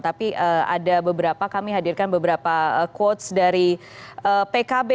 tapi ada beberapa kami hadirkan beberapa quotes dari pkb